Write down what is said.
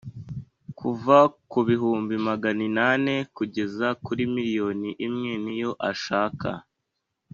kuva kubihumbi maganinane kugera kuri miliyoni imwe niyo ashaka